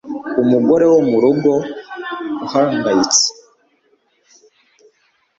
Umugore wo murugo uhangayitse